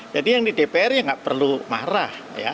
jadi yang di dpr ya nggak perlu marah